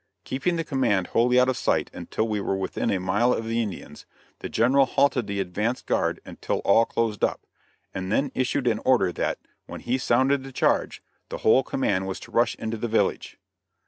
Keeping the command wholly out of sight, until we were within a mile of the Indians, the General halted the advance guard until all closed up, and then issued an order, that, when he sounded the charge, the whole command was to rush into the village.